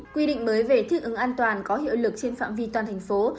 quy định mới về thích ứng an toàn có hiệu lực trên phạm vi toàn thành phố